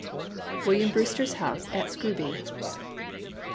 William Brewster's house at Scrooby.